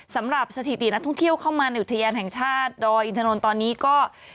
สำหรับสถิตินักท่องเที่ยวเข้ามาในอุทยานแห่งชาติดอยอินทนนท์ตอนนี้ก็